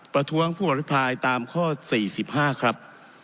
ประท้วงผู้อภิปรายตามข้อ๔๕ครับ